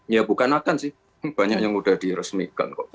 ya bukan akan sih banyak yang sudah diresmikan kok